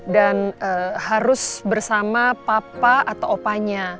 harus bersama papa atau opanya